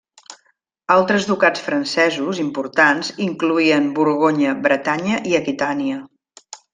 Altres ducats francesos importants incloïen Borgonya, Bretanya, i Aquitània.